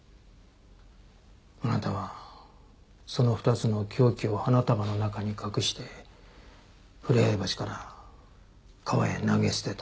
あなたはその２つの凶器を花束の中に隠してふれあい橋から川へ投げ捨てた。